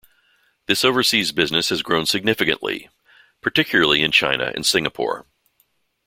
This overseas business has grown significantly, particularly in China and Singapore.